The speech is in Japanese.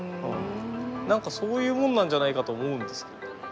何かそういうもんなんじゃないかと思うんですけど。